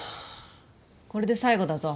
これで最後だぞ。